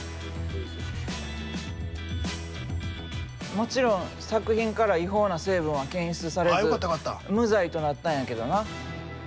もちろん作品から違法な成分は検出されず無罪となったんやけどな。